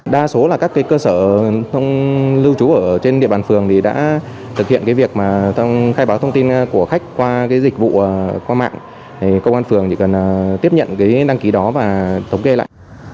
đa số là các cơ sở lưu trú ở trên địa bàn phường đã thực hiện việc khai báo thông tin của khách qua dịch vụ qua mạng công an phường chỉ cần tiếp nhận đăng ký đó và thống kê lại